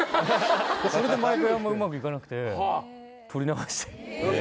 それで毎回あんまうまくいかなくて撮り直して。